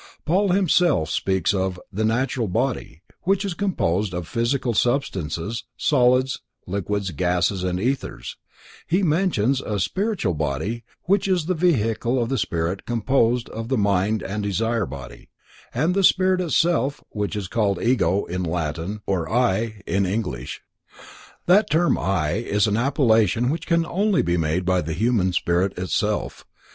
Paul himself speaks of the natural body which is composed of physical substances: solids, liquids, gases and ethers; he mentions a spiritual body, which is the vehicle of the spirit composed of the mind and desire body, and the spirit itself, which is called Ego in Latin or "I" in English. That term "I" is an appelation which can only be made by the human spirit of itself.